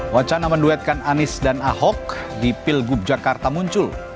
wacana menduetkan anies dan ahok di pilgub jakarta muncul